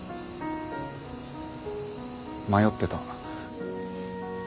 迷ってた。